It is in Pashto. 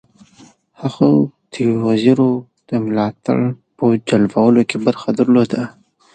هغه د وزیرو د ملاتړ په جلبولو کې برخه درلوده.